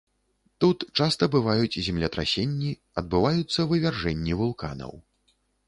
Тут часта бываюць землетрасенні, адбываюцца вывяржэнні вулканаў.